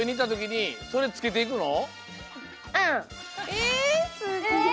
えすごい。